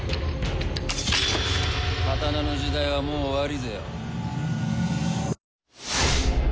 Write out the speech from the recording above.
刀の時代はもう終わりぜよ。